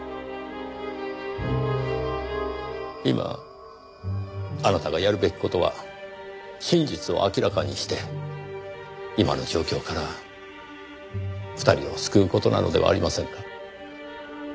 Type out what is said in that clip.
今あなたがやるべき事は真実を明らかにして今の状況から２人を救う事なのではありませんか？